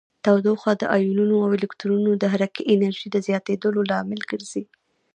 تودوخه د ایونونو او الکترونونو د حرکې انرژي د زیاتیدو لامل ګرځي.